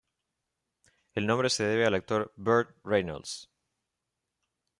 El nombre se debe al actor Burt Reynolds.